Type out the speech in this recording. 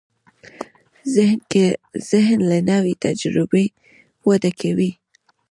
ذهن له نوې تجربې وده کوي.